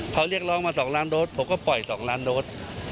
เขาเรียกร้องมา๒ล้านโดสผมก็ปล่อย๒ล้านโดส